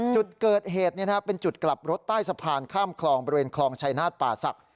จุดเกิดเหตุเป็นจุดกลับรถใต้สะพานข้ามคลองบริเวณคลองชายนาฏป่าศักดิ